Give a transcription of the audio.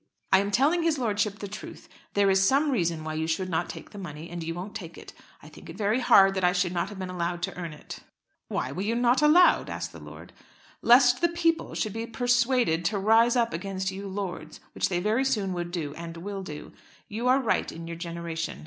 "I am telling his lordship the truth. There is some reason why you should not take the money, and you won't take it. I think it very hard that I should not have been allowed to earn it." "Why were you not allowed?" asked the lord. "Lest the people should be persuaded to rise up against you lords, which they very soon would do, and will do. You are right in your generation.